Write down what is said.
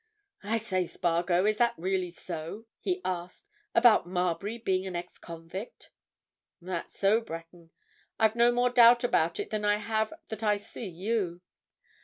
"I say, Spargo, is that really so?" he asked. "About Marbury being an ex convict?" "That's so, Breton. I've no more doubt about it than I have that I see you.